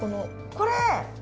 これ！？